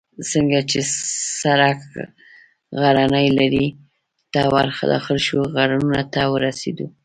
څنګه چې سړک غرنۍ لړۍ ته ور داخل شو، غرونو ته ورسېدو.